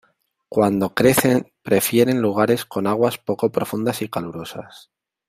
Cuando crecen prefieren lugares con aguas poco profundas y calurosas.